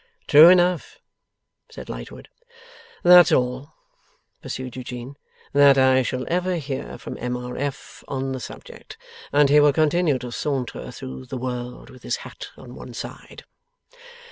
'True enough,' said Lightwood. 'That's all,' pursued Eugene, 'that I shall ever hear from M. R. F. on the subject, and he will continue to saunter through the world with his hat on one side.